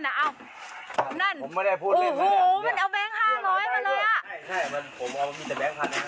นั่นองค์ไม่ได้พูดหมดแล้วด้วยค่ะหนูหูมันเอาแบงค์ห้าร้อยมาเลยอ่ะ